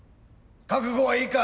覚悟はいいか？